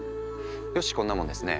よしこんなもんですね。